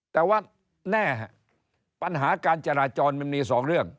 แต่ว่าแน่ปัญหาการจราจรมันมี๒เรื่อง